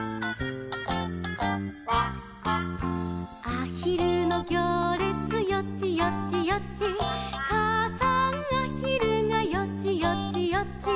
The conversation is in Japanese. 「あひるのぎょうれつよちよちよち」「かあさんあひるがよちよちよち」